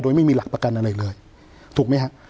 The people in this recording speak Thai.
โดยไม่มีหลักประกันอะไรเลยถูกไหมฮะ